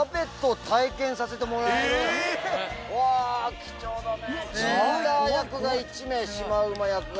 貴重だね。